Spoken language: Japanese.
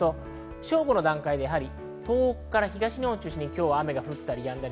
正午の段階で東北から東日本を中心に雨が降ったりやんだり。